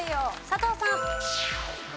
佐藤さん。